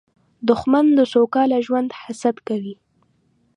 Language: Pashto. دښمن د سوکاله ژوند حسد کوي